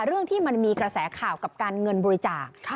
เรื่องที่มันมีกระแสข่าวกับการเงินบริจาค